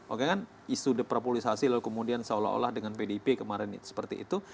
oke kan isu depropolisasi lalu kemudian seolah olah dengan pdip kemarin seperti itu